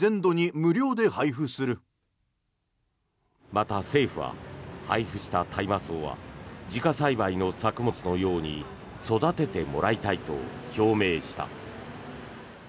また政府は、配布した大麻草は自家栽培の作物のように育ててもらいたいと表明した。